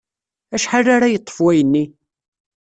Acḥal ara yeṭṭef wayen-nni?